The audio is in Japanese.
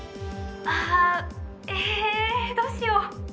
あええっどうしよう。